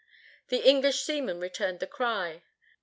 The English seamen returned the cry.